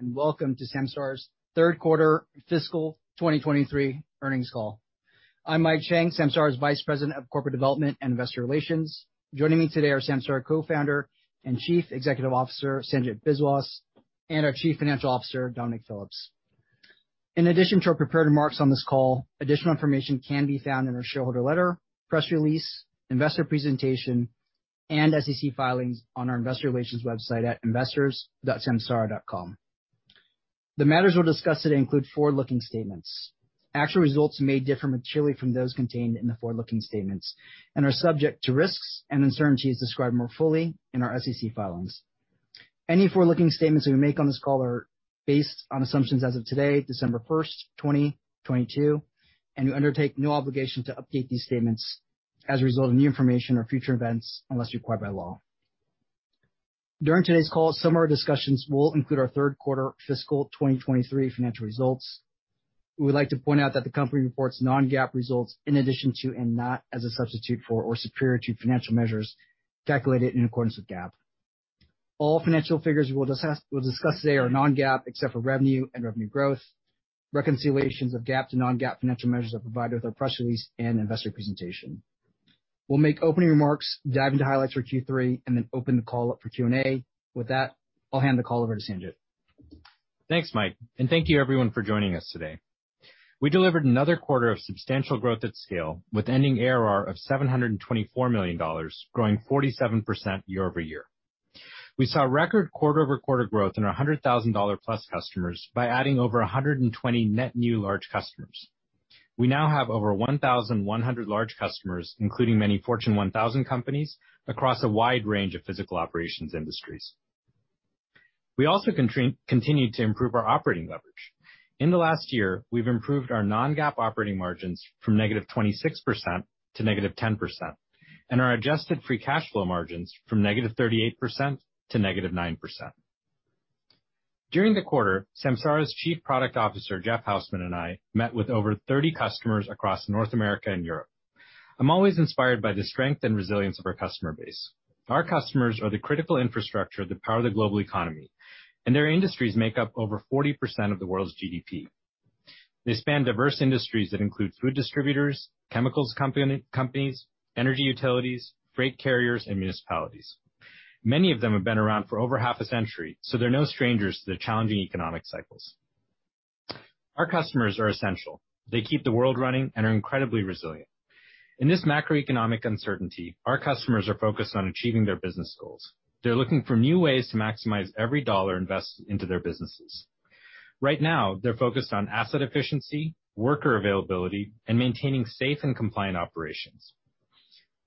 Welcome to Samsara's third quarter fiscal 2023 earnings call. I'm Mike Chang, Samsara's Vice President of Corporate Development and Investor Relations. Joining me today are Samsara Co-founder and Chief Executive Officer, Sanjit Biswas, and our Chief Financial Officer, Dominic Phillips. In addition to our prepared remarks on this call, additional information can be found in our shareholder letter, press release, investor presentation, and SEC filings on our investor relations website at investors.samsara.com. The matters we'll discuss today include forward-looking statements. Actual results may differ materially from those contained in the forward-looking statements and are subject to risks and uncertainties described more fully in our SEC filings. Any forward-looking statements we make on this call are based on assumptions as of today, December 1, 2022, and we undertake no obligation to update these statements as a result of new information or future events unless required by law. During today's call, some of our discussions will include our third quarter fiscal 2023 financial results. We would like to point out that the company reports non-GAAP results in addition to, and not as a substitute for or superior to, financial measures calculated in accordance with GAAP. All financial figures we'll discuss today are non-GAAP, except for revenue and revenue growth. Reconciliations of GAAP to non-GAAP financial measures are provided with our press release and investor presentation. We'll make opening remarks, dive into highlights for Q3, and then open the call up for Q&A. With that, I'll hand the call over to Sanjit. Thanks, Mike. Thank you everyone for joining us today. We delivered another quarter of substantial growth at scale, with ending ARR of $724 million, growing 47% year-over-year. We saw record quarter-over-quarter growth in our $100,000-plus customers by adding over 120 net new large customers. We now have over 1,100 large customers, including many Fortune 1000 companies, across a wide range of physical operations industries. We also continued to improve our operating leverage. In the last year, we've improved our non-GAAP operating margins from negative 26% to negative 10%, and our adjusted free cash flow margins from negative 38% to negative 9%. During the quarter, Samsara's Chief Product Officer, Jeff Housman, and I met with over 30 customers across North America and Europe. I'm always inspired by the strength and resilience of our customer base. Our customers are the critical infrastructure that power the global economy. Their industries make up over 40% of the world's GDP. They span diverse industries that include food distributors, chemicals companies, energy utilities, freight carriers, and municipalities. Many of them have been around for over half a century. They're no strangers to the challenging economic cycles. Our customers are essential. They keep the world running and are incredibly resilient. In this macroeconomic uncertainty, our customers are focused on achieving their business goals. They're looking for new ways to maximize every dollar invested into their businesses. Right now, they're focused on asset efficiency, worker availability, and maintaining safe and compliant operations.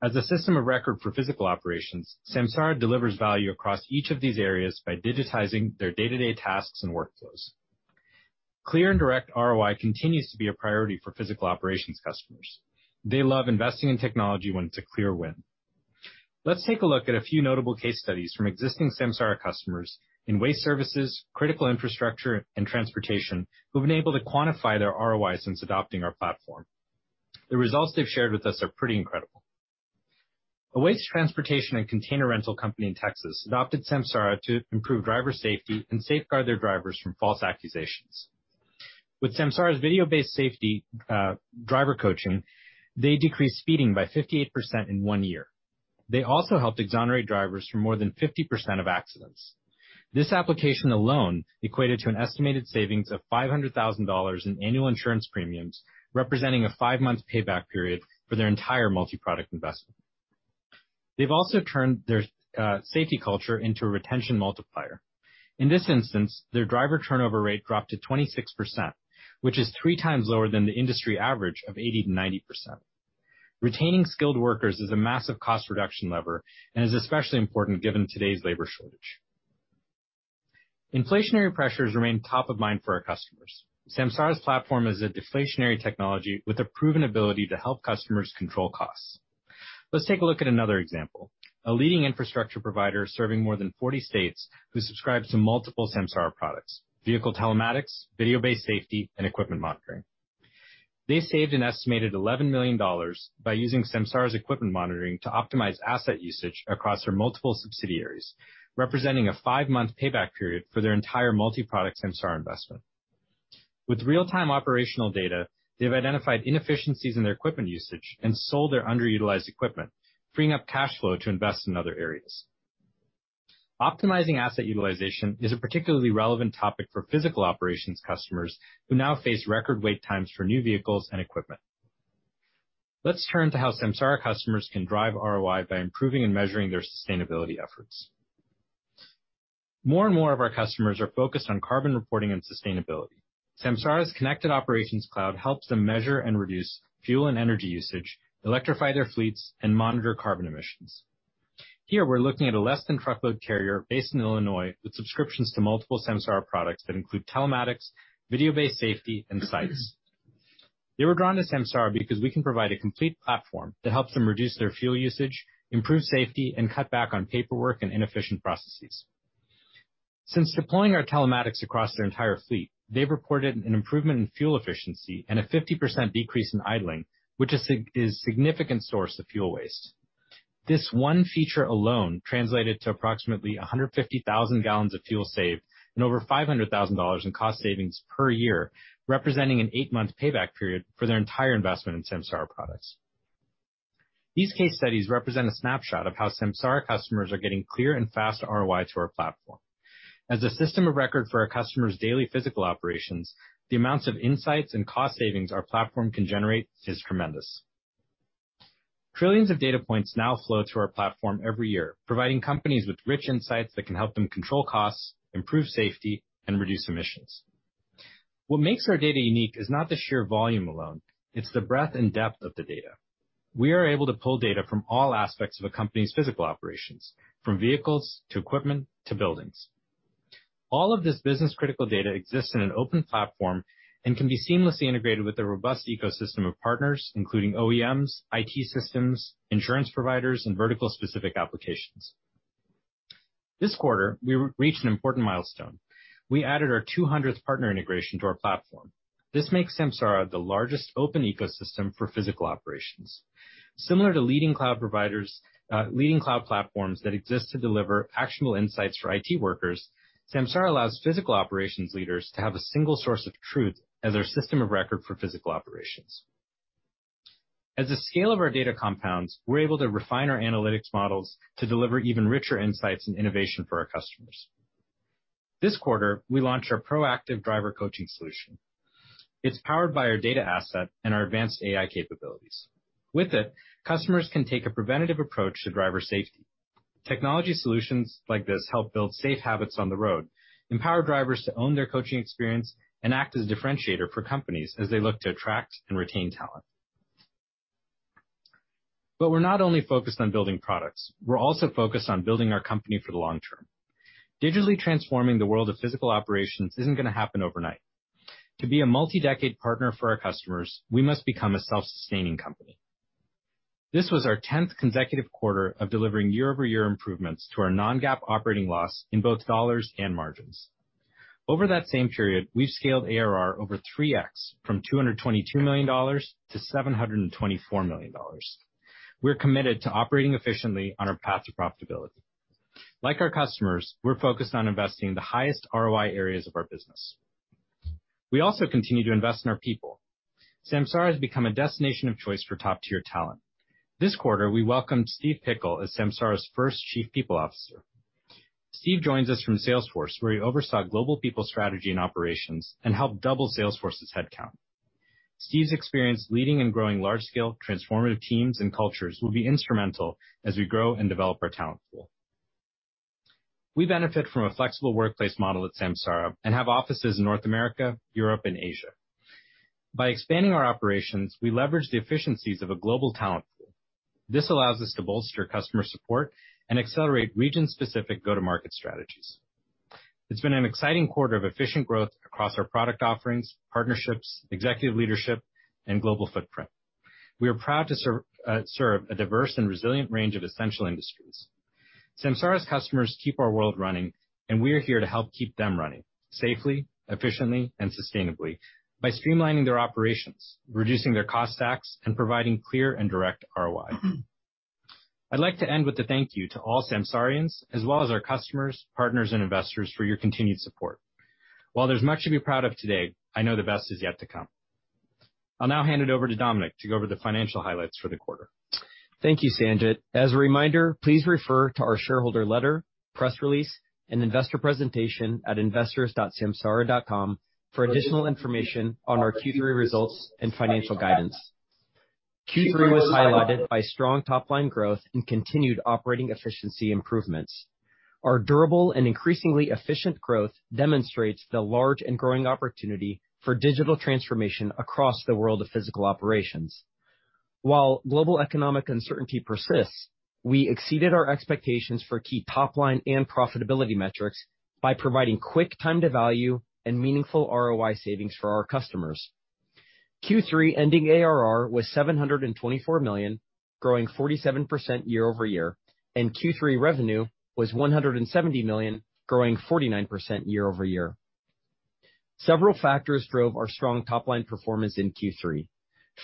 As a system of record for physical operations, Samsara delivers value across each of these areas by digitizing their day-to-day tasks and workflows. Clear and direct ROI continues to be a priority for physical operations customers. They love investing in technology when it's a clear win. Let's take a look at a few notable case studies from existing Samsara customers in waste services, critical infrastructure, and transportation who've been able to quantify their ROI since adopting our platform. The results they've shared with us are pretty incredible. A waste transportation and container rental company in Texas adopted Samsara to improve driver safety and safeguard their drivers from false accusations. With Samsara's Video-Based Safety, driver coaching, they decreased speeding by 58% in 1 year. They also helped exonerate drivers for more than 50% of accidents. This application alone equated to an estimated savings of $500,000 in annual insurance premiums, representing a 5-month payback period for their entire multi-product investment. They've also turned their safety culture into a retention multiplier. In this instance, their driver turnover rate dropped to 26%, which is 3 times lower than the industry average of 80%-90%. Retaining skilled workers is a massive cost reduction lever and is especially important given today's labor shortage. Inflationary pressures remain top of mind for our customers. Samsara's platform is a deflationary technology with a proven ability to help customers control costs. Let's take a look at another example. A leading infrastructure provider serving more than 40 states who subscribes to multiple Samsara products, Vehicle Telematics, Video-Based Safety, and Equipment Monitoring. They saved an estimated $11 million by using Samsara's Equipment Monitoring to optimize asset usage across their multiple subsidiaries, representing a 5-month payback period for their entire multi-product Samsara investment. With real-time operational data, they've identified inefficiencies in their equipment usage and sold their underutilized equipment, freeing up cash flow to invest in other areas. Optimizing asset utilization is a particularly relevant topic for physical operations customers who now face record wait times for new vehicles and equipment. Let's turn to how Samsara customers can drive ROI by improving and measuring their sustainability efforts. More and more of our customers are focused on carbon reporting and sustainability. Samsara's Connected Operations Cloud helps them measure and reduce fuel and energy usage, electrify their fleets, and monitor carbon emissions. Here, we're looking at a less than truckload carrier based in Illinois with subscriptions to multiple Samsara products that include telematics, Video-Based Safety, and Sites. They were drawn to Samsara because we can provide a complete platform to help them reduce their fuel usage, improve safety, and cut back on paperwork and inefficient processes. Since deploying our telematics across their entire fleet, they've reported an improvement in fuel efficiency and a 50% decrease in idling, which is significant source of fuel waste. This one feature alone translated to approximately 150,000 gallons of fuel saved and over $500,000 in cost savings per year, representing an 8-month payback period for their entire investment in Samsara products. These case studies represent a snapshot of how Samsara customers are getting clear and fast ROI to our platform. As a system of record for our customers' daily physical operations, the amounts of insights and cost savings our platform can generate is tremendous. Trillions of data points now flow through our platform every year, providing companies with rich insights that can help them control costs, improve safety, and reduce emissions. What makes our data unique is not the sheer volume alone, it's the breadth and depth of the data. We are able to pull data from all aspects of a company's physical operations, from vehicles to equipment to buildings. All of this business-critical data exists in an open platform and can be seamlessly integrated with a robust ecosystem of partners, including OEMs, IT systems, insurance providers, and vertical-specific applications. This quarter, we re-reached an important milestone. We added our 200th partner integration to our platform. This makes Samsara the largest open ecosystem for physical operations. Similar to leading cloud providers, leading cloud platforms that exist to deliver actionable insights for IT workers, Samsara allows physical operations leaders to have a single source of truth as their system of record for physical operations. As the scale of our data compounds, we're able to refine our analytics models to deliver even richer insights and innovation for our customers. This quarter, we launched our Proactive Driver Coaching solution. It's powered by our data asset and our advanced AI capabilities. With it, customers can take a preventative approach to driver safety. Technology solutions like this help build safe habits on the road, empower drivers to own their coaching experience, and act as a differentiator for companies as they look to attract and retain talent. We're not only focused on building products, we're also focused on building our company for the long term. Digitally transforming the world of physical operations isn't gonna happen overnight. To be a multi-decade partner for our customers, we must become a self-sustaining company. This was our 10th consecutive quarter of delivering year-over-year improvements to our non-GAAP operating loss in both dollars and margins. Over that same period, we've scaled ARR over 3x from $222 million to $724 million. We're committed to operating efficiently on our path to profitability. Like our customers, we're focused on investing in the highest ROI areas of our business. We also continue to invest in our people. Samsara has become a destination of choice for top-tier talent. This quarter, we welcomed Steve Pickle as Samsara's first Chief People Officer. Steve joins us from Salesforce, where he oversaw global people strategy and operations and helped double Salesforce's headcount. Steve's experience leading and growing large-scale transformative teams and cultures will be instrumental as we grow and develop our talent pool. We benefit from a flexible workplace model at Samsara and have offices in North America, Europe, and Asia. By expanding our operations, we leverage the efficiencies of a global talent pool. This allows us to bolster customer support and accelerate region-specific go-to-market strategies. It's been an exciting quarter of efficient growth across our product offerings, partnerships, executive leadership, and global footprint. We are proud to serve a diverse and resilient range of essential industries. Samsara's customers keep our world running, and we are here to help keep them running safely, efficiently, and sustainably by streamlining their operations, reducing their cost stacks, and providing clear and direct ROI. I'd like to end with a thank you to all Samsarians, as well as our customers, partners, and investors for your continued support. While there's much to be proud of today, I know the best is yet to come. I'll now hand it over to Dominic to go over the financial highlights for the quarter. Thank you, Sanjit. As a reminder, please refer to our shareholder letter, press release, and investor presentation at investors.samsara.com for additional information on our Q3 results and financial guidance. Q3 was highlighted by strong top-line growth and continued operating efficiency improvements. Our durable and increasingly efficient growth demonstrates the large and growing opportunity for digital transformation across the world of physical operations. While global economic uncertainty persists, we exceeded our expectations for key top-line and profitability metrics by providing quick time to value and meaningful ROI savings for our customers. Q3 ending ARR was $724 million, growing 47% year-over-year, and Q3 revenue was $170 million, growing 49% year-over-year. Several factors drove our strong top-line performance in Q3.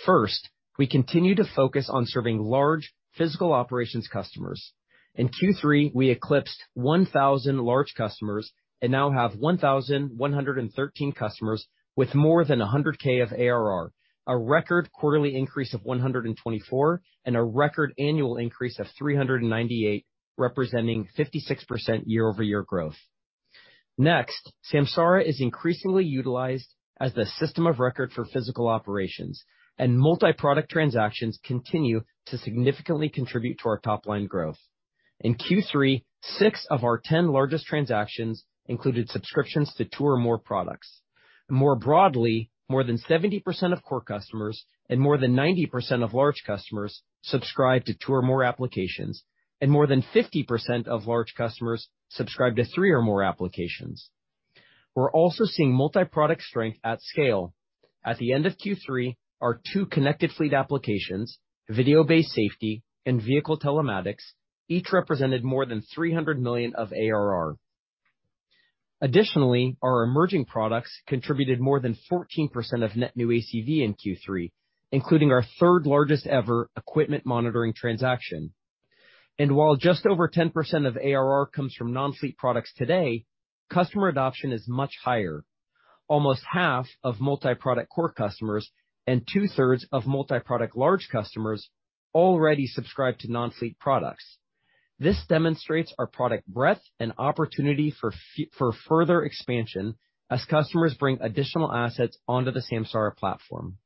First, we continue to focus on serving large physical operations customers. In Q3, we eclipsed 1,000 large customers and now have 1,113 customers with more than $100K of ARR, a record quarterly increase of 124, and a record annual increase of 398, representing 56% year-over-year growth. Samsara is increasingly utilized as the system of record for physical operations, and multi-product transactions continue to significantly contribute to our top-line growth. In Q3, 6 of our 10 largest transactions included subscriptions to 2 or more products. More than 70% of core customers and more than 90% of large customers subscribe to 2 or more applications, and more than 50% of large customers subscribe to 3 or more applications. We're also seeing multi-product strength at scale. At the end of Q3, our two Connected Operations Cloud applications, Video-Based Safety and Vehicle Telematics, each represented more than $300 million of ARR. Our emerging products contributed more than 14% of net new ACV in Q3, including our third-largest-ever Equipment Monitoring transaction. While just over 10% of ARR comes from non-fleet products today, customer adoption is much higher. Almost half of multi-product core customers and two-thirds of multi-product large customers already subscribe to non-fleet products. This demonstrates our product breadth and opportunity for further expansion as customers bring additional assets onto the Samsara platform.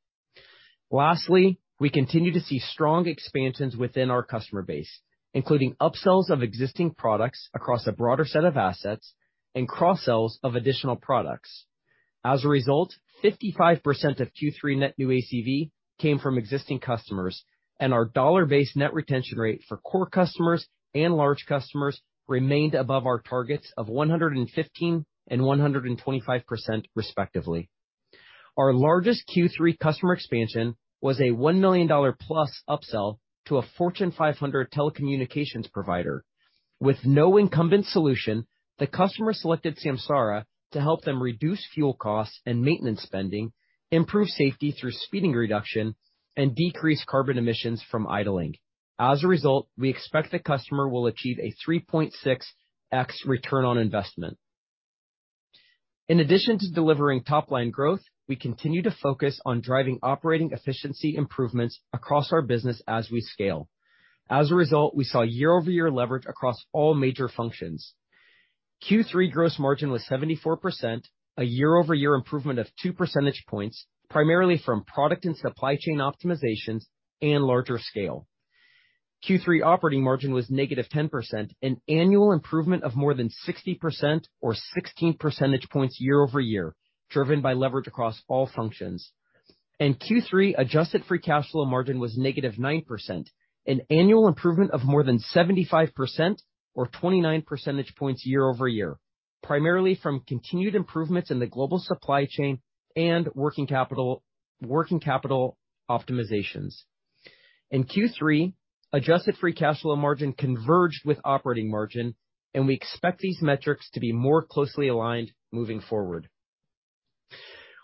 We continue to see strong expansions within our customer base, including upsells of existing products across a broader set of assets and cross-sells of additional products. As a result, 55% of Q3 net new ACV came from existing customers, and our Dollar-Based Net Retention Rate for core customers and large customers remained above our targets of 115% and 125% respectively. Our largest Q3 customer expansion was a $1 million-plus upsell to a Fortune 500 telecommunications provider. With no incumbent solution, the customer selected Samsara to help them reduce fuel costs and maintenance spending, improve safety through speeding reduction, and decrease carbon emissions from idling. As a result, we expect the customer will achieve a 3.6x ROI. In addition to delivering top-line growth, we continue to focus on driving operating efficiency improvements across our business as we scale. As a result, we saw year-over-year leverage across all major functions. Q3 gross margin was 74%, a year-over-year improvement of 2 percentage points, primarily from product and supply chain optimizations and larger scale. Q3 operating margin was -10%, an annual improvement of more than 60% or 16 percentage points year-over-year, driven by leverage across all functions. Q3 adjusted free cash flow margin was -9%, an annual improvement of more than 75% or 29 percentage points year-over-year, primarily from continued improvements in the global supply chain and working capital optimizations. In Q3, adjusted free cash flow margin converged with operating margin, and we expect these metrics to be more closely aligned moving forward.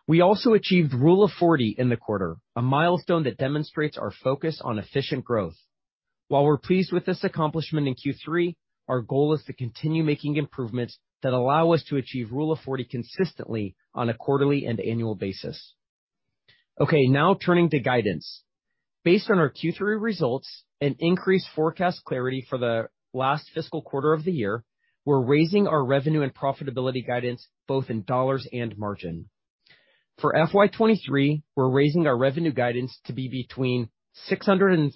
We also achieved Rule of 40 in the quarter, a milestone that demonstrates our focus on efficient growth. While we're pleased with this accomplishment in Q3, our goal is to continue making improvements that allow us to achieve Rule of 40 consistently on a quarterly and annual basis. Okay, now turning to guidance. Based on our Q3 results and increased forecast clarity for the last fiscal quarter of the year, we're raising our revenue and profitability guidance both in dollars and margin. For FY '23 we're raising our revenue guidance to be between $636 million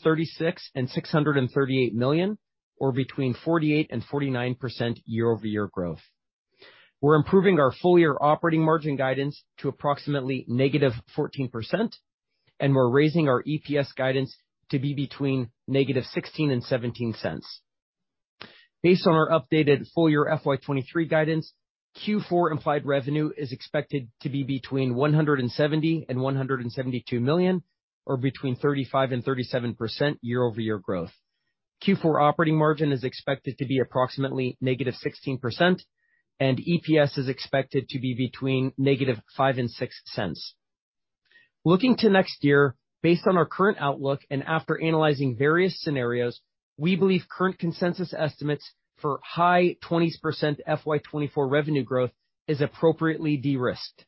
and $638 million, or between 48% and 49% year-over-year growth. We're improving our full-year operating margin guidance to approximately -14%, and we're raising our EPS guidance to be between -$0.16 and -$0.17. Based on our updated full-year FY '23 guidance, Q4 implied revenue is expected to be between $170 million and $172 million, or between 35% and 37% year-over-year growth. Q4 operating margin is expected to be approximately negative 16%, and EPS is expected to be between negative $0.05 and $0.06. Looking to next year, based on our current outlook and after analyzing various scenarios, we believe current consensus estimates for high 20s% FY '24 revenue growth is appropriately de-risked.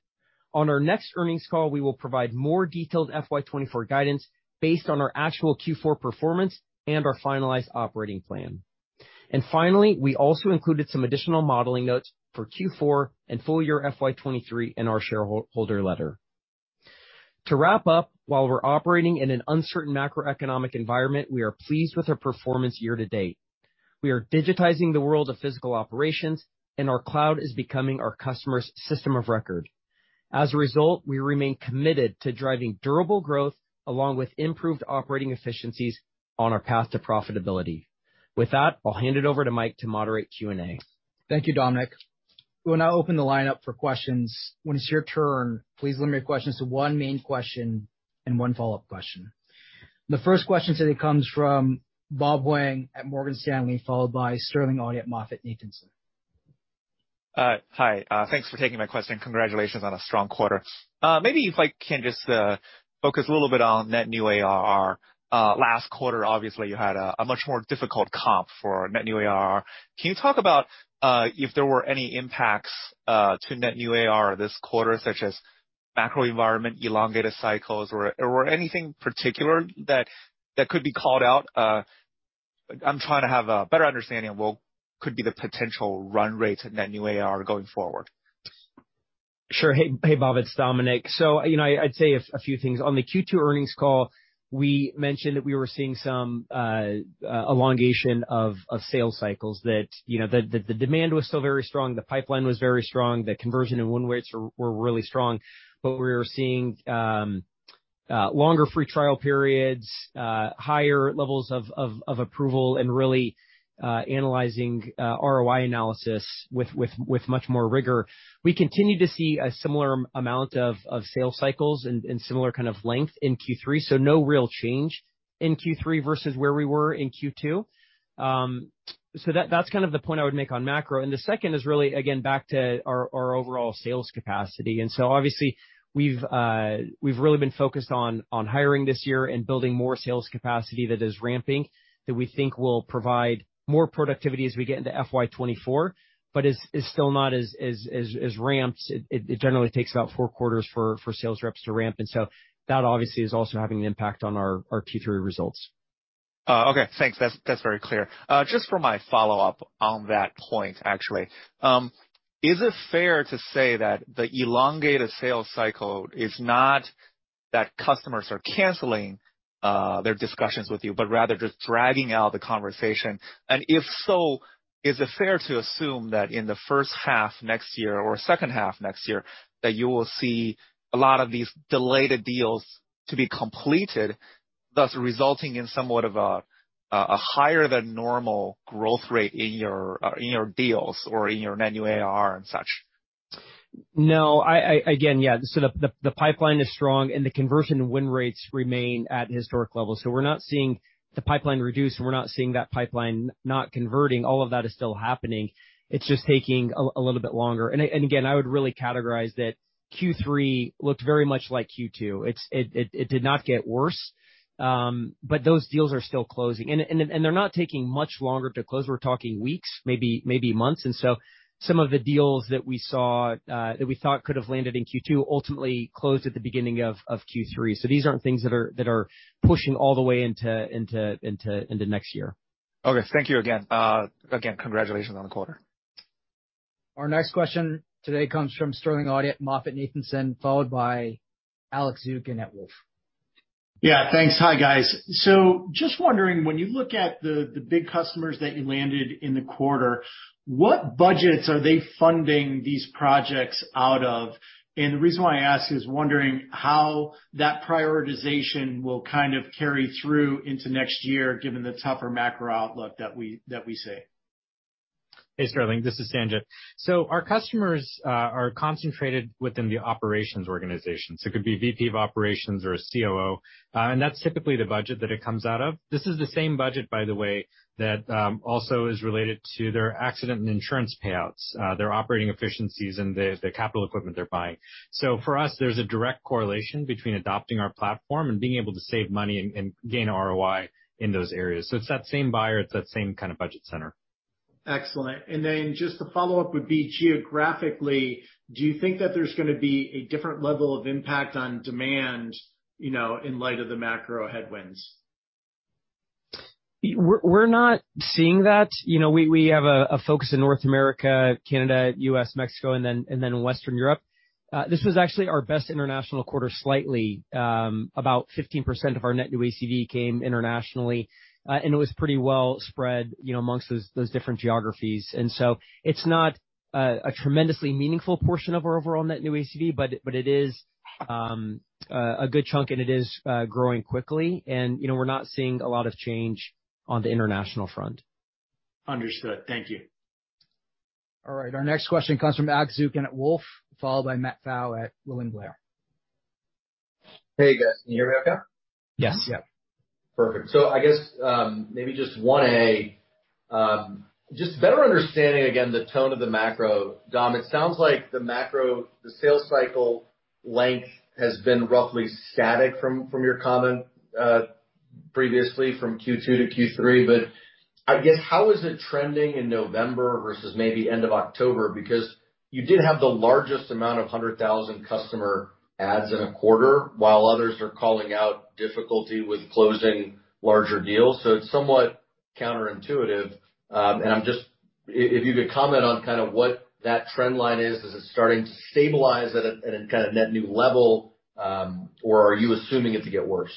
On our next earnings call, we will provide more detailed FY '24 guidance based on our actual Q4 performance and our finalized operating plan. Finally, we also included some additional modeling notes for Q4 and full-year FY '23 in our shareholder letter. To wrap up, while we're operating in an uncertain macroeconomic environment, we are pleased with our performance year-to-date. We are digitizing the world of physical operations, and our cloud is becoming our customers' system of record. As a result, we remain committed to driving durable growth along with improved operating efficiencies on our path to profitability. With that, I'll hand it over to Mike to moderate Q&A. Thank you, Dominic. We'll now open the lineup for questions. When it's your turn, please limit your questions to one main question and one follow-up question. The first question today comes from Bob Wang at Morgan Stanley, followed by Sterling Auty at MoffettNathanson. Hi. Thanks for taking my question. Congratulations on a strong quarter. Maybe if I can just focus a little bit on net new ARR. Last quarter, obviously you had a much more difficult comp for net new ARR. Can you talk about if there were any impacts to net new ARR this quarter, such as macro environment, elongated cycles or anything particular that could be called out? I'm trying to have a better understanding of what could be the potential run rate net new ARR going forward. Sure. Hey, hey, Bob, it's Dominic. You know, I'd say a few things. On the Q2 earnings call, we mentioned that we were seeing some elongation of sales cycles that, you know, the demand was still very strong, the pipeline was very strong, the conversion and win rates were really strong, but we were seeing longer free trial periods, higher levels of approval and really analyzing ROI analysis with much more rigor. We continue to see a similar amount of sales cycles and similar kind of length in Q3. No real change in Q3 versus where we were in Q2. That's kind of the point I would make on macro. The second is really, again, back to our overall sales capacity. Obviously we've really been focused on hiring this year and building more sales capacity that is ramping that we think will provide more productivity as we get into FY '24, but is still not as ramped. It generally takes about four quarters for sales reps to ramp. That obviously is also having an impact on our Q3 results. Okay, thanks. That's very clear. Just for my follow-up on that point actually, is it fair to say that the elongated sales cycle is not that customers are canceling their discussions with you, but rather just dragging out the conversation? If so, is it fair to assume that in the first half next year or second half next year, that you will see a lot of these delayed deals to be completed, thus resulting in somewhat of a higher than normal growth rate in your deals or in your net new ARR and such? No. Again, yeah, the pipeline is strong and the conversion win rates remain at historic levels. We're not seeing the pipeline reduce, and we're not seeing that pipeline not converting. All of that is still happening. It's just taking a little bit longer. Again, I would really categorize that Q3 looked very much like Q2. It did not get worse, those deals are still closing. They're not taking much longer to close. We're talking weeks, maybe months. Some of the deals that we saw, that we thought could have landed in Q2 ultimately closed at the beginning of Q3. These aren't things that are pushing all the way into next year. Okay. Thank you again. Again, congratulations on the quarter. Our next question today comes from Sterling Auty at MoffettNathanson, followed by Alex Zukin at Wolfe. Yeah, thanks. Hi, guys. Just wondering, when you look at the big customers that you landed in the quarter, what budgets are they funding these projects out of? The reason why I ask is wondering how that prioritization will kind of carry through into next year, given the tougher macro outlook that we see. Hey, Sterling, this is Sanjit. Our customers are concentrated within the operations organization, so it could be VP of Operations or a COO, and that's typically the budget that it comes out of. This is the same budget, by the way, that also is related to their accident and insurance payouts, their operating efficiencies and the capital equipment they're buying. For us, there's a direct correlation between adopting our platform and being able to save money and gain ROI in those areas. It's that same buyer, it's that same kind of budget center. Excellent. Just the follow-up would be geographically, do you think that there's gonna be a different level of impact on demand, you know, in light of the macro headwinds? We're not seeing that. You know, we have a focus in North America, Canada, US, Mexico, and then Western Europe. This was actually our best international quarter slightly. About 15% of our net new ACV came internationally, and it was pretty well spread, you know, amongst those different geographies. It's not a tremendously meaningful portion of our overall net new ACV, but it is a good chunk and it is growing quickly. You know, we're not seeing a lot of change on the international front. Understood. Thank you. All right, our next question comes from Alex Zukin at Wolfe, followed by Matthew Pfau at William Blair. Hey, guys. Can you hear me okay? Yes. Yeah. I guess, maybe just 1A, just better understanding again the tone of the macro. Dom, it sounds like the macro, the sales cycle length has been roughly static from your comment previously from Q2 to Q3. I guess how is it trending in November versus maybe end of October? Because you did have the largest amount of 100,000 customer adds in a quarter while others are calling out difficulty with closing larger deals. It's somewhat counterintuitive. I'm just. If you could comment on kind of what that trend line is. Is it starting to stabilize at a kind of net new level, or are you assuming it to get worse?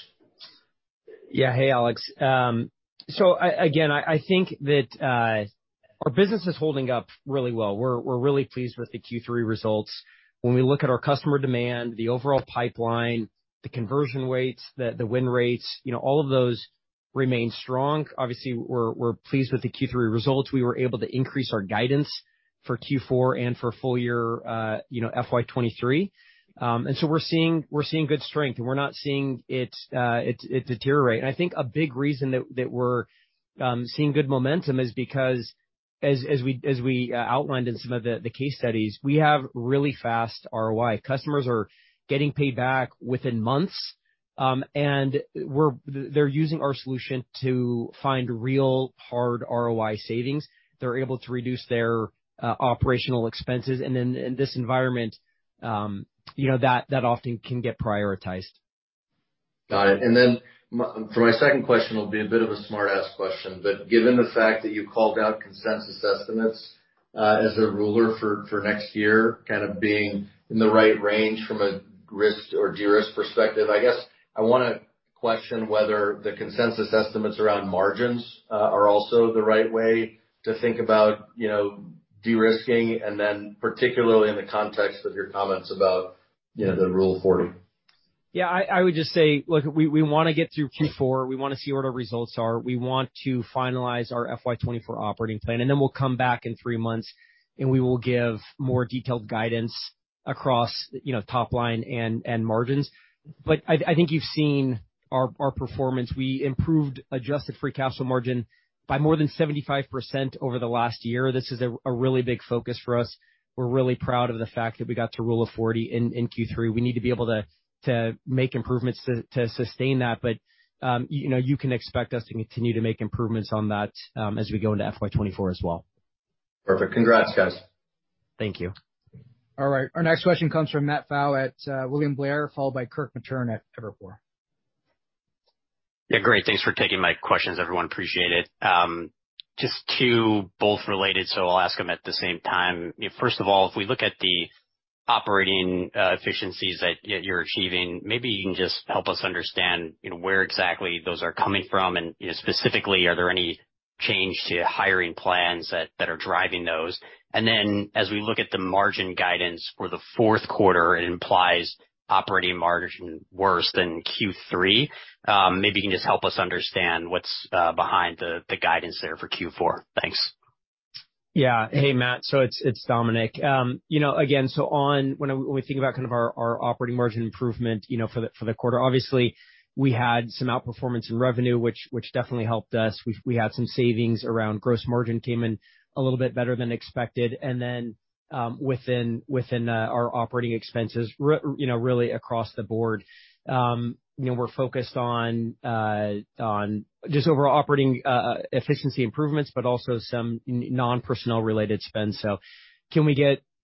Yeah. Hey, Alex. Again, I think that our business is holding up really well. We're really pleased with the Q3 results. When we look at our customer demand, the overall pipeline, the conversion rates, the win rates, you know, all of those remain strong. Obviously, we're pleased with the Q3 results. We were able to increase our guidance for Q4 and for full year, you know, FY '23. We're seeing good strength and we're not seeing it deteriorate. I think a big reason that we're seeing good momentum is because as we outlined in some of the case studies, we have really fast ROI. Customers are getting paid back within months. They're using our solution to find real hard ROI savings. They're able to reduce their operational expenses. In this environment, you know, that often can get prioritized. Got it. For my second question will be a bit of a smart ass question, but given the fact that you called out consensus estimates, as a ruler for next year, kind of being in the right range from a risk or de-risk perspective, I guess I wanna question whether the consensus estimates around margins, are also the right way to think about, you know, de-risking, and then particularly in the context of your comments about, you know, the Rule of 40. Yeah, I would just say, look, we wanna get through Q4. We wanna see what our results are. We want to finalize our FY '24 operating plan. Then we'll come back in three months, and we will give more detailed guidance across, you know, top line and margins. I think you've seen our performance. We improved adjusted free cash flow margin by more than 75% over the last year. This is a really big focus for us. We're really proud of the fact that we got to Rule of 40 in Q3. We need to be able to make improvements to sustain that. You know, you can expect us to continue to make improvements on that as we go into FY '24 as well. Perfect. Congrats, guys. Thank you. All right, our next question comes from Matt Pfau at William Blair, followed by Kirk Materne at Evercore. Yeah, great. Thanks for taking my questions, everyone. Appreciate it. Just two both related, so I'll ask them at the same time. First of all, if we look at the operating efficiencies that you're achieving, maybe you can just help us understand, you know, where exactly those are coming from, and, you know, specifically, are there any change to hiring plans that are driving those? As we look at the margin guidance for the fourth quarter, it implies operating margin worse than Q3. Maybe you can just help us understand what's behind the guidance there for Q4. Thanks. Yeah. Hey, Matt. It's Dominic. You know, again, when we think about kind of our operating margin improvement, you know, for the quarter, obviously we had some outperformance in revenue, which definitely helped us. We had some savings around gross margin came in a little bit better than expected. Within our operating expenses, you know, really across the board, you know, we're focused on just overall operating efficiency improvements, but also some non-personnel related spend.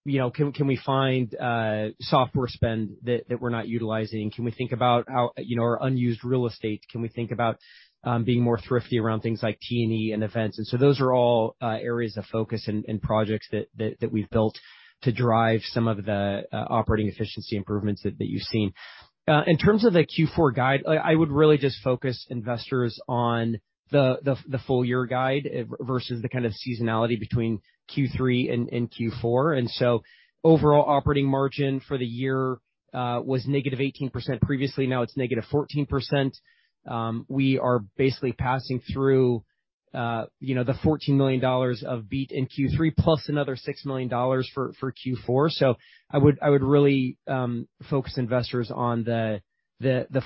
You know, can we find software spend that we're not utilizing? Can we think about how, you know, our unused real estate, can we think about being more thrifty around things like T&E and events? Those are all areas of focus and projects that we've built to drive some of the operating efficiency improvements that you've seen. In terms of the Q4 guide, I would really just focus investors on the full year guide versus the kind of seasonality between Q3 and Q4. Overall operating margin for the year was -18% previously. Now it's -14%. We are basically passing through, you know, the $14 million of beat in Q3, plus another $6 million for Q4. I would really focus investors on the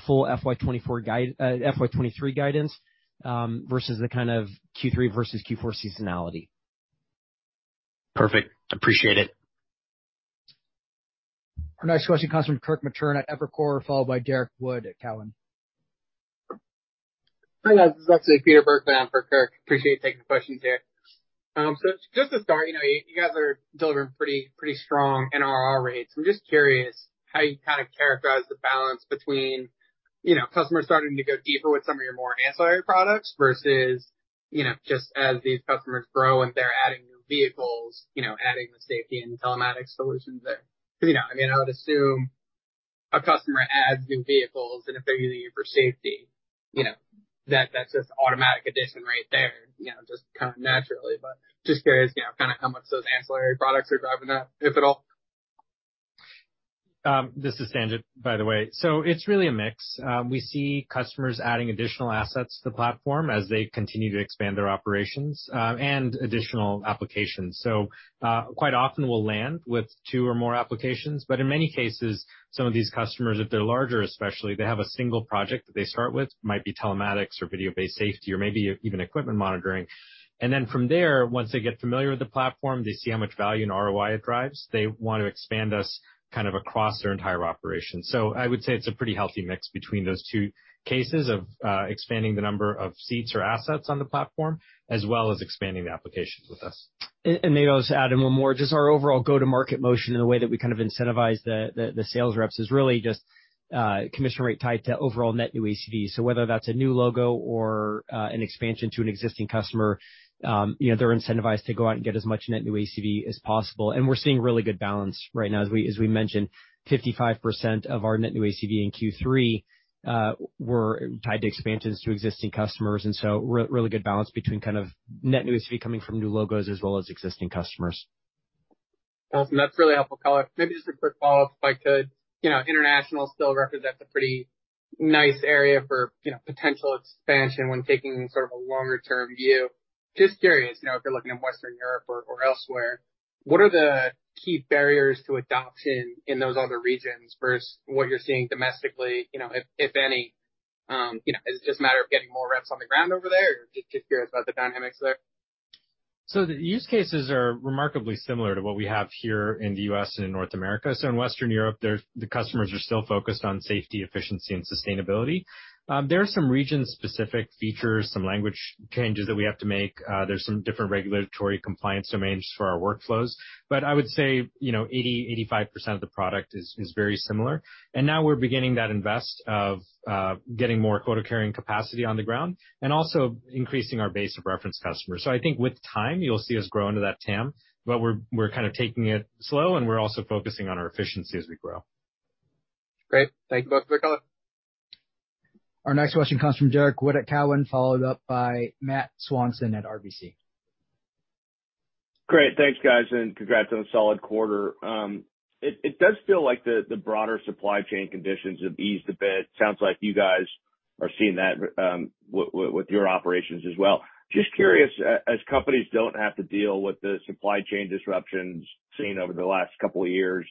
full FY 2023 guidance versus the kind of Q3 versus Q4 seasonality. Perfect. Appreciate it. Our next question comes from Kirk Materne at Evercore, followed by Derrick Wood at Cowen. Hi, guys. This is actually Peter Burkly for Kirk. Appreciate you taking the questions here. Just to start, you know, you guys are delivering pretty strong NRR rates. I'm just curious how you kind of characterize the balance between, you know, customers starting to go deeper with some of your more ancillary products versus, you know, just as these customers grow and they're adding new vehicles, you know, adding the safety and telematics solutions there. You know, I mean, I would assume a customer adds new vehicles, if they're using you for safety, you know, that's just automatic addition right there, you know, just kind of naturally. Just curious, you know, kind of how much those ancillary products are driving that, if at all. This is Sanjit, by the way. It's really a mix. We see customers adding additional assets to the platform as they continue to expand their operations and additional applications. Quite often we'll land with 2 or more applications, but in many cases, some of these customers, if they're larger especially, they have a 1 project that they start with, might be telematics or Video-Based Safety or maybe even Equipment Monitoring. From there, once they get familiar with the platform, they see how much value and ROI it drives, they want to expand us kind of across their entire operation. I would say it's a pretty healthy mix between those 2 cases of expanding the number of seats or assets on the platform, as well as expanding the applications with us. Maybe I'll just add in one more. Just our overall go-to-market motion and the way that we kind of incentivize the sales reps is really just commission rate tied to overall net new ACV. Whether that's a new logo or an expansion to an existing customer, you know, they're incentivized to go out and get as much net new ACV as possible. We're seeing really good balance right now. As we mentioned, 55% of our net new ACV in Q3 were tied to expansions to existing customers. Really good balance between kind of net new ACV coming from new logos as well as existing customers. Awesome. That's a really helpful color. Maybe just a quick follow-up, if I could. You know, international still represents a pretty nice area for, you know, potential expansion when taking sort of a longer term view. Just curious, you know, if you're looking at Western Europe or elsewhere, what are the key barriers to adoption in those other regions versus what you're seeing domestically, you know, if any? You know, is it just a matter of getting more reps on the ground over there? Just curious about the dynamics there. The use cases are remarkably similar to what we have here in the U.S. and in North America. In Western Europe, the customers are still focused on safety, efficiency and sustainability. There are some region-specific features, some language changes that we have to make. There's some different regulatory compliance domains for our workflows. I would say, you know, 80%-85% of the product is very similar. Now we're beginning that invest of getting more quota-carrying capacity on the ground and also increasing our base of reference customers. I think with time, you'll see us grow into that TAM, but we're kind of taking it slow, and we're also focusing on our efficiency as we grow. Great. Thank you both for the color. Our next question comes from Derrick Wood at Cowen, followed up by Matt Swanson at RBC. Great. Thanks guys, and congrats on a solid quarter. It does feel like the broader supply chain conditions have eased a bit. Sounds like you guys are seeing that with your operations as well. Just curious, as companies don't have to deal with the supply chain disruptions seen over the last couple of years,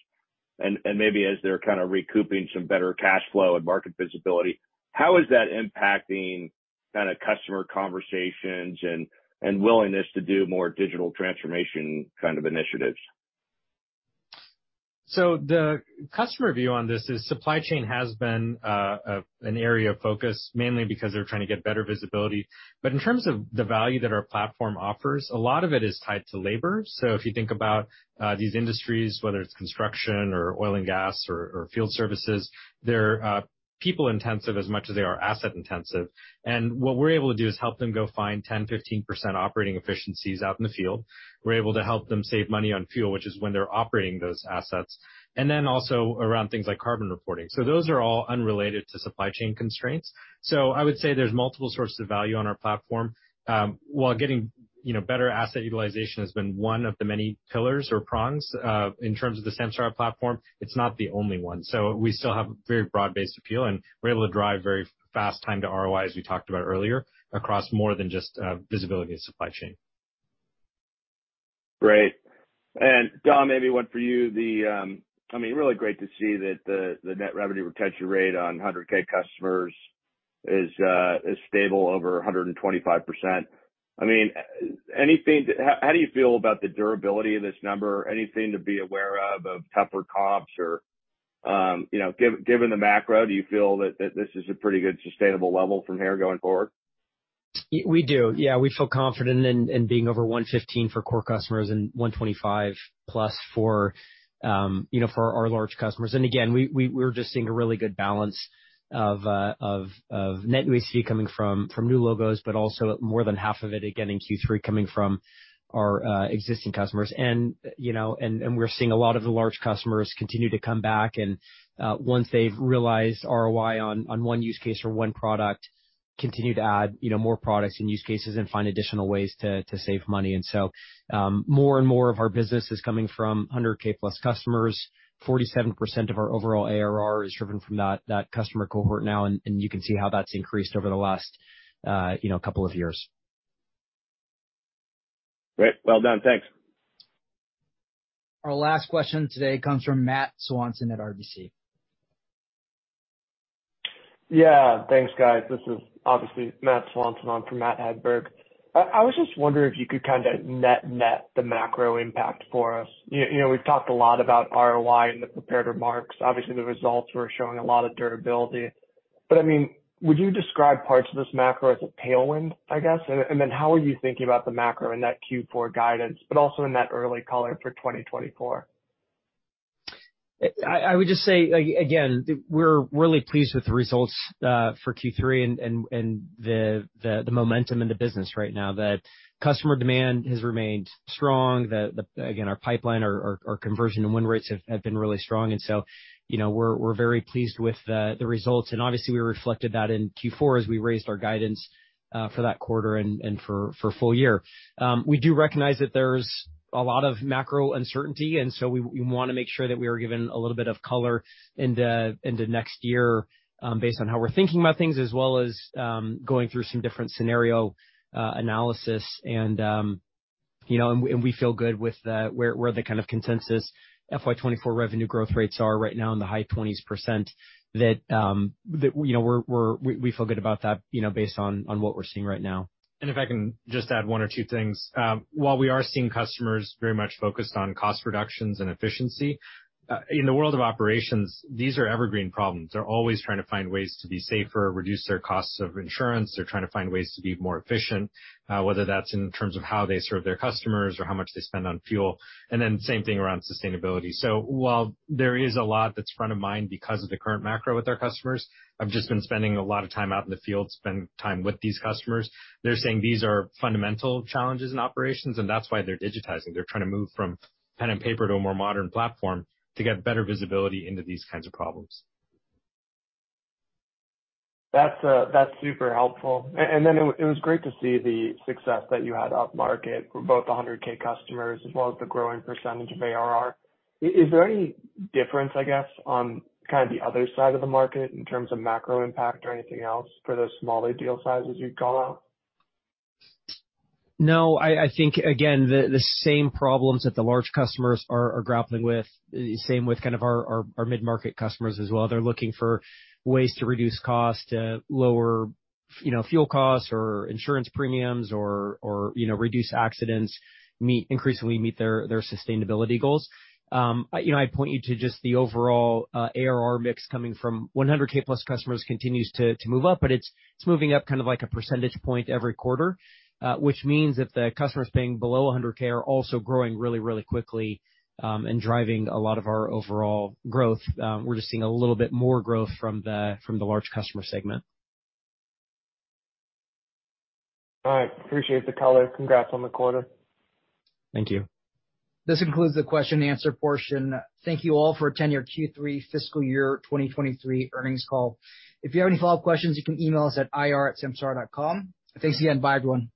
and maybe as they're kinda recouping some better cash flow and market visibility, how is that impacting kinda customer conversations and willingness to do more digital transformation kind of initiatives? The customer view on this is supply chain has been an area of focus, mainly because they're trying to get better visibility. In terms of the value that our platform offers, a lot of it is tied to labor. If you think about these industries, whether it's construction or oil and gas or field services, they're people-intensive as much as they are asset intensive. What we're able to do is help them go find 10%, 15% operating efficiencies out in the field. We're able to help them save money on fuel, which is when they're operating those assets, and then also around things like carbon reporting. Those are all unrelated to supply chain constraints. I would say there's multiple sources of value on our platform. While getting, you know, better asset utilization has been one of the many pillars or prongs, in terms of the Samsara platform, it's not the only one. We still have a very broad-based appeal, and we're able to drive very fast time to ROI, as we talked about earlier, across more than just, visibility and supply chain. Great. Dom, maybe one for you. I mean, really great to see that the net revenue retention rate on 100K customers is stable over 125%. I mean, anything, how do you feel about the durability of this number? Anything to be aware of tougher comps or, you know, given the macro, do you feel that this is a pretty good sustainable level from here going forward? We do. Yeah, we feel confident in being over 115 for core customers and 125+ for, you know, for our large customers. Again, we're just seeing a really good balance of net AC coming from new logos, but also more than half of it, again in Q3, coming from our existing customers. You know, and we're seeing a lot of the large customers continue to come back, and once they've realized ROI on one use case or one product, continue to add, you know, more products and use cases and find additional ways to save money. More and more of our business is coming from $100K+ customers. 47% of our overall ARR is driven from that customer cohort now, and you can see how that's increased over the last, you know, couple of years. Great. Well done. Thanks. Our last question today comes from Matthew Swanson at RBC. Yeah. Thanks, guys. This is obviously Matt Swanson on for Matt Hedberg. I was just wondering if you could kinda net-net the macro impact for us. You know, we've talked a lot about ROI in the prepared remarks. Obviously, the results were showing a lot of durability. I mean, would you describe parts of this macro as a tailwind, I guess? And then how are you thinking about the macro in that Q4 guidance, but also in that early color for 2024? I would just say, again, we're really pleased with the results for Q3 and the momentum in the business right now, that customer demand has remained strong. The again, our pipeline, our conversion and win rates have been really strong. You know, we're very pleased with the results. Obviously we reflected that in Q4 as we raised our guidance for that quarter and for full year. We do recognize that there's a lot of macro uncertainty, we wanna make sure that we are given a little bit of color into next year, based on how we're thinking about things, as well as going through some different scenario analysis. you know, and we feel good where the kind of consensus FY 2024 revenue growth rates are right now in the high 20s%, that, you know, we feel good about that, you know, based on what we're seeing right now. If I can just add one or two things. While we are seeing customers very much focused on cost reductions and efficiency, in the world of operations, these are evergreen problems. They're always trying to find ways to be safer, reduce their costs of insurance. They're trying to find ways to be more efficient, whether that's in terms of how they serve their customers or how much they spend on fuel. Then same thing around sustainability. While there is a lot that's front of mind because of the current macro with our customers, I've just been spending a lot of time out in the field, spending time with these customers. They're saying these are fundamental challenges in operations, and that's why they're digitizing. They're trying to move from pen and paper to a more modern platform to get better visibility into these kinds of problems. That's, that's super helpful. Then it was great to see the success that you had up market for both the 100K customers as well as the growing percentage of ARR. Is there any difference, I guess, on kind of the other side of the market in terms of macro impact or anything else for those smaller deal sizes you'd call out? I think again, the same problems that the large customers are grappling with, same with kind of our mid-market customers as well. They're looking for ways to reduce costs, to lower, you know, fuel costs or insurance premiums or, you know, reduce accidents, increasingly meet their sustainability goals. You know, I'd point you to just the overall ARR mix coming from $100K+ customers continues to move up, but it's moving up kind of like a percentage point every quarter. Which means that the customers paying below $100K are also growing really, really quickly and driving a lot of our overall growth. We're just seeing a little bit more growth from the large customer segment. All right. Appreciate the color. Congrats on the quarter. Thank you. This concludes the question and answer portion. Thank you all for attending our Q3 fiscal year 2023 earnings call. If you have any follow-up questions, you can email us at ir@samsara.com. Thanks again. Bye everyone.